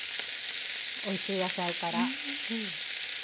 おいしい野菜から。